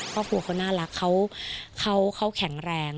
พ่อผู้เขาน่ารักเขาแข็งแรง